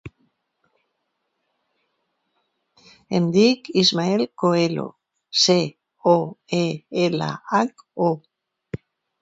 Em dic Ismael Coelho: ce, o, e, ela, hac, o.